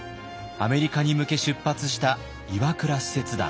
アメリカに向け出発した岩倉使節団。